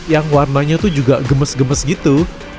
yang warnanya tuh juga gemes gemes gitu